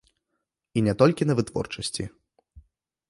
І не толькі на вытворчасці.